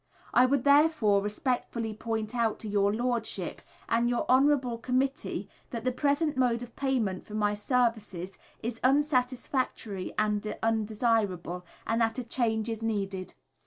I would therefore respectfully point out to your Lordship and your Honourable Committee that the present mode of payment for my services is unsatisfactory and undesirable, and that a change is needed.